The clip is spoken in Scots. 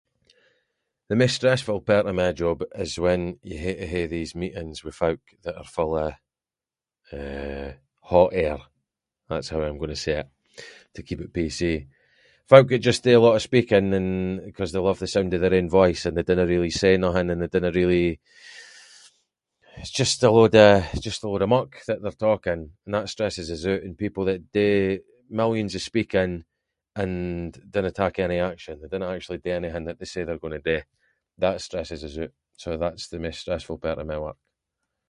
The maist stressful part of my job is when you hae to hae these meetings with folk that are full of, eh, hot air, that’s how I’m going to say it, to keep it PC. Folk that just do a lot of speaking and ‘cause they love the sound of their own voice and they dinna really say nothing and they dinna really- it’s just a load of- it’s just a load of muck that they’re talking, and that stresses us oot, and people that do millions of speaking and dinna tak any action, they dinna actually do anything that they say that they’re going to do, that stresses us oot, so that’s the maist stressful part of my work.